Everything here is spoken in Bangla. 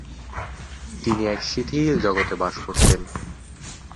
তিনি এক শিথিল জগতে বাস করতেন।